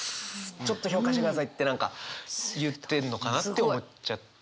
ちょっと評価してくださいって何か言ってんのかなって思っちゃいました。